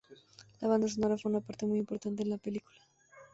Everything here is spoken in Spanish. La banda sonora fue una parte muy importante en la película.